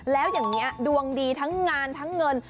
แล้วอย่างนี้ดวงดีทั้งงานทั้งเงิน